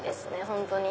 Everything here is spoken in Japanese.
本当に。